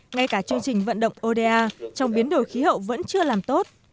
ngay cả chương trình vận động oda trong biến đổi khí hậu vẫn chưa làm tốt